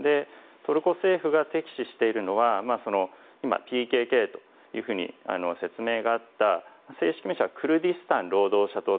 トルコ政府が敵視しているのは今、ＰＫＫと説明があった正式名称はクルディスタン労働者党。